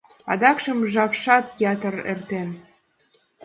Адакшым жапшат ятырак эртен.